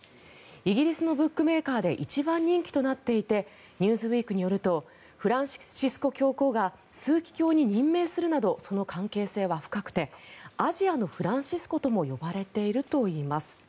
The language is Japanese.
イギリスのブックメーカーが一番人気となっていて「ニューズウィーク」によるとフランシスコ教皇が枢機卿に任命するなどその関係性は深くてアジアのフランシスコとも呼ばれているといいます。